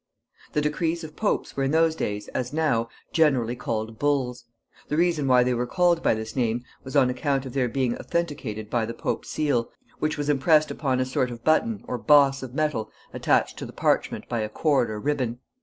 The decrees of popes were in those days, as now, generally called bulls. The reason why they were called by this name was on account of their being authenticated by the Pope's seal, which was impressed upon a sort of button or boss of metal attached to the parchment by a cord or ribbon.